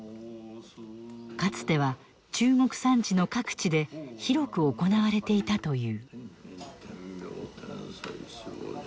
かつては中国山地の各地で広く行われていたという。